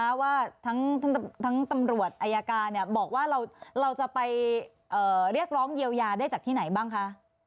ท่านอรรุษอายการบอกว่าเราจะไปเรียกร้องเยียวยาได้จากที่ไหนบ้างค่ะ